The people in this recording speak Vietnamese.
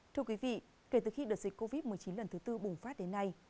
thưa quý vị kể từ khi đợt dịch covid một mươi chín lần thứ tư bùng phát đến nay